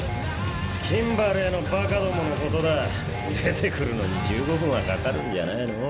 キンバレーのバカどものことだ出てくるのに１５分はかかるんじゃないの？